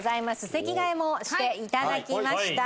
席替えもして頂きました。